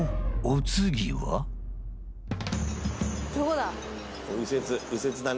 お次はどこだ？